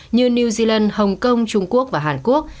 như new zealand hồng kông trung quốc